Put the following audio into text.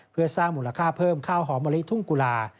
เพื่อสร้างมูลค่าเพิ่มข้าวหอมมะลิทุ่งกุลา